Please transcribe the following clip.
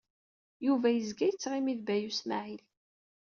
Yuba yezga yettɣimi ed Baya U Smaɛil.